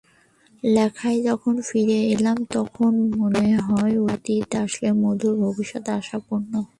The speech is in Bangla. লেখায় যখন ফিরে এলাম, তখন মনে হলো অতীত আসলেই মধুর, ভবিষ্যৎ আশাপূর্ণ।